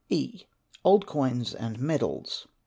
E. Old Coins and Medals.